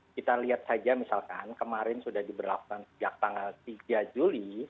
kita lihat saja misalkan kemarin sudah diberlakukan sejak tanggal tiga juli